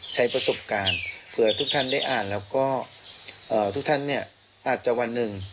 ใช้ประสบการณ์เผื่อทุกท่านได้อ่านแล้วก็ทุกท่านเนี่ยอาจจะวันหนึ่ง